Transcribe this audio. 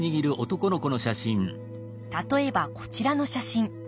例えばこちらの写真。